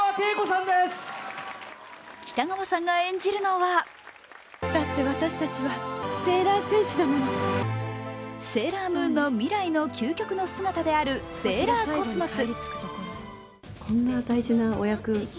北川さんが演じるのはセーラームーンの未来の究極の姿であるセーラーコスモス。